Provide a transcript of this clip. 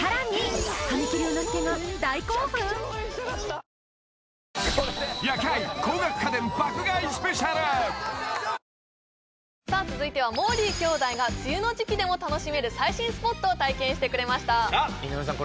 「ハミング」史上Ｎｏ．１抗菌さあ続いてはもーりー兄弟が梅雨の時期でも楽しめる最新スポットを体験してくれました井上さん